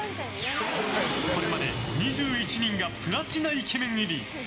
これまで２１人がプラチナイケメン入り。